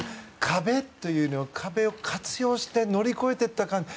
壁というよりは、壁を活用して乗り越えていった感じ。